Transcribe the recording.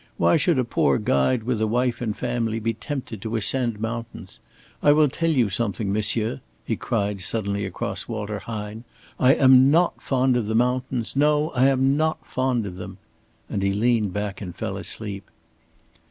Why should a poor guide with a wife and family be tempted to ascend mountains. I will tell you something, monsieur," he cried suddenly across Walter Hine. "I am not fond of the mountains. No, I am not fond of them!" and he leaned back and fell asleep.